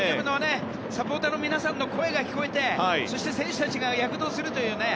サポーターの皆さんの声が聞こえてそして選手たちが躍動するという。